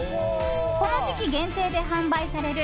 この時期限定で販売される